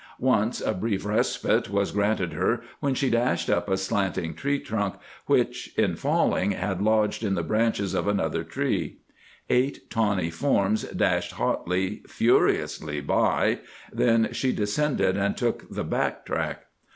Once a brief respite was granted her when she dashed up a slanting tree trunk which, in falling, had lodged in the branches of another tree. Eight tawny forms dashed hotly, furiously by, then she descended and took the back track.